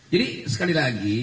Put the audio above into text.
jadi sekali lagi